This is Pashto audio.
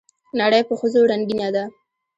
نړۍ په ښځو رنګينه ده